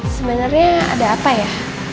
sebenarnya ada apa ya